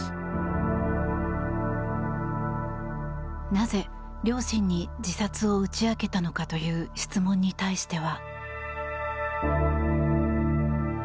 なぜ、両親に自殺を打ち明けたのかという質問に対しては。